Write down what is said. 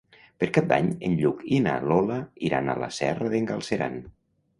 Per Cap d'Any en Lluc i na Lola iran a la Serra d'en Galceran.